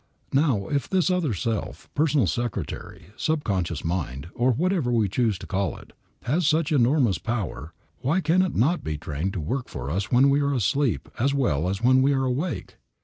Now, if this other self, personal secretary, subconscious mind, or whatever we choose to call it, has such enormous power, why can it not be trained to work for us when we are asleep as well as when we are awake?